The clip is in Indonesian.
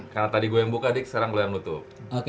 karena tadi gue yang buka dik sekarang gue yang nutup